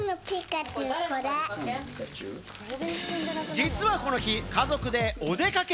実はこの日、家族でお出かけ。